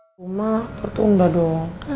rumah tertunda dong